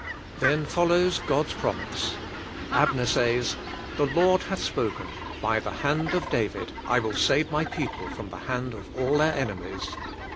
Then follows God^s promise, Abner says: *The Lord hath spoken, By the hand of David I will save my people from the hand of all their enemies.'